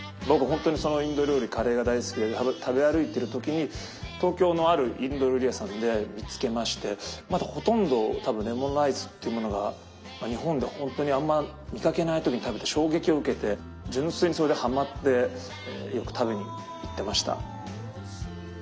本当にそのインド料理カレーが大好きで食べ歩いている時に東京のあるインド料理屋さんで見つけましてまだほとんど多分レモンライスっていうものが日本で本当にあんま見かけない時に食べて衝撃を受けて純粋にそれではまってよく食べに行ってました。